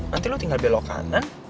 nanti lo tinggal belok kanan